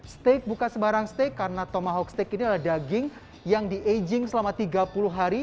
steak bukan sebarang steak karena tomahawk steak ini adalah daging yang di aging selama tiga puluh hari